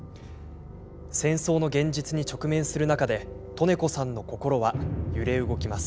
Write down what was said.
戦争の現実に直面する中で利根子さんの心は揺れ動きます。